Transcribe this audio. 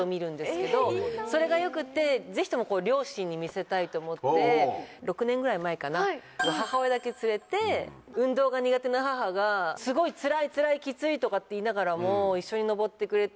それが良くってぜひとも。と思って６年ぐらい前かな母親だけ連れて運動が苦手な母が「すごいつらいつらいきつい」とかって言いながらも一緒に登ってくれて。